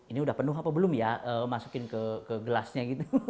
ini udah penuh apa belum ya masukin ke gelasnya gitu